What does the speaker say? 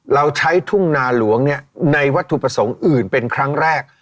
เราใช้ทุ่งนาหลวงในวัตถุประสงค์อื่นเป็นครั้งแรก